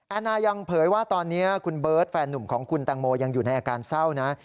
นายังเผยว่าตอนนี้คุณเบิร์ตแฟนหนุ่มของคุณแตงโมยังอยู่ในอาการเศร้านะ